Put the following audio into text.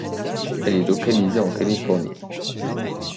Elle est localisée en Californie.